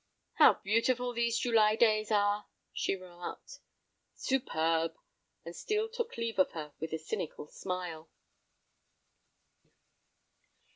"How beautiful these July days are!" she remarked. "Superb," and Steel took leave of her with a cynical smile.